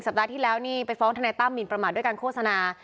สัปดาห์ที่แล้วนี่ไปฟ้องธะนายต้ำจินประหมาดด้วยการโฆษณา